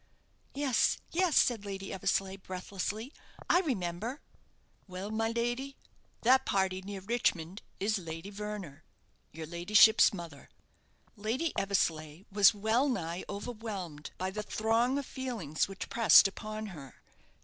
"Yes, yes," said Lady Eversleigh, breathlessly, "I remember." "Well, my lady, that party near Richmond is Lady Verner, your ladyship's mother." Lady Eversleigh was well nigh overwhelmed by the throng of feelings which pressed upon her.